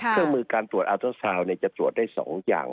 เครื่องมือการตรวจอัลเตอร์ซาวน์จะตรวจได้๒อย่าง